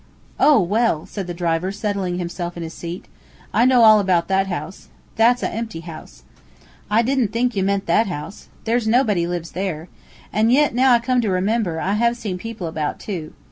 "Oh! well!" said the driver, settling himself in his seat. "I know all about that house. That's a empty house. I didn't think you meant that house. There's nobody lives there. An' yit, now I come to remember, I have seen people about, too.